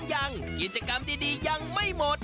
ยังกิจกรรมดียังไม่หมด